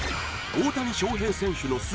大谷翔平選手の